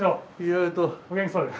お元気そうで。